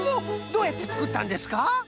どうやってつくったんですか？